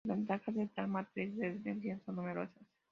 Las ventajas de tal matriz de detección son numerosas.